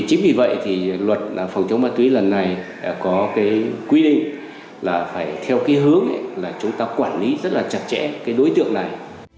chính vì vậy thì luật phòng chống ma túy lần này có cái quy định là phải theo cái hướng là chúng ta quản lý rất là chặt chẽ cái đối tượng này